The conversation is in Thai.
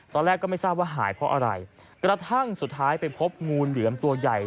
ตอนแรกก็ไม่ทราบว่าหายเพราะอะไรกระทั่งสุดท้ายไปพบงูเหลือมตัวใหญ่